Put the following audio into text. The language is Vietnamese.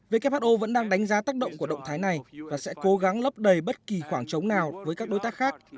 who vẫn đang đánh giá tác động của động thái này và sẽ cố gắng lấp đầy bất kỳ khoảng trống nào với các đối tác khác